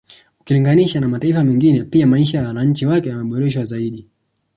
Ukilinganisha na mataifa mengine pia maisha ya wananchi wake yameboreshwa zaidi